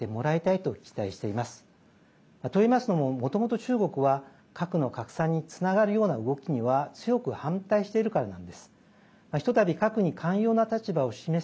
といいますのも、もともと中国は核の拡散につながるような動きには強く反対しているからなんです。